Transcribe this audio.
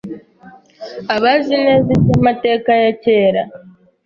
Abazi neza iby’amateka ya kera